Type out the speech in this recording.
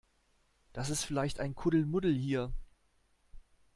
Das ist vielleicht ein Kuddelmuddel hier.